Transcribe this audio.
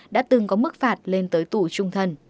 đã từng có mức phạt lên tới tù trung thân